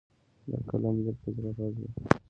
د قلم لیک د زړه غږ وي.